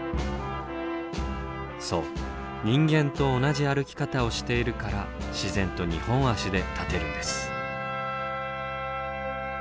そう人間と同じ歩き方をしているから自然と二本足で立てるんです。